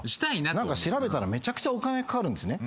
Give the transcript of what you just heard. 何か調べたらめちゃくちゃお金かかるんですね。